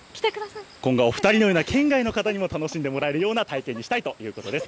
今後、お２人のような県外の方にも楽しんでもらえるような体験にしたいということです。